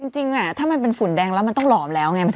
จริงถ้ามันเป็นฝุ่นแดงแล้วมันต้องหลอมแล้วไง